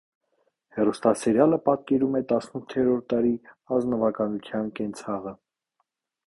Հեռուստասերիալը պատկերում է տասնութերորդ դարի ազնվականության կենցաղը։